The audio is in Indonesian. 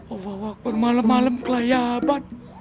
oh wakor malem malem kelayaban